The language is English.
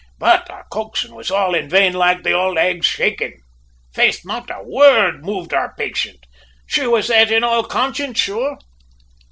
"But our coaxin' was all in vain, loike the ould hag's shaking! "Faith, not a worrd moved our patient. She was that in all conscience, sure.